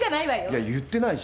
いや言ってないし。